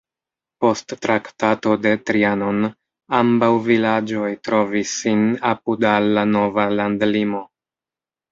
Post Traktato de Trianon ambaŭ vilaĝoj trovis sin apud al la nova landlimo.